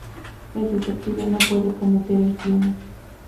El detective no puede cometer el crimen.